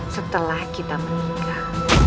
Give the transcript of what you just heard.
setelah kita menikah